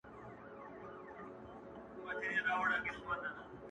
تا ولې دا د دې دنيا جنت خاورې ايرې کړ _